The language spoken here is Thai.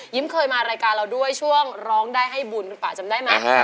ยิ้มเคยมารายการเราด้วยช่วงร้องได้ให้บุญกันป่ะจำได้มั้ยค่ะ